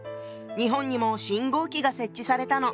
日本にも信号機が設置されたの。